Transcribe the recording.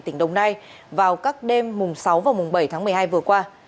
tỉnh đồng nai vào các đêm sáu bảy tháng một mươi hai vừa qua